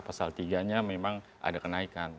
pasal tiganya memang ada kenaikan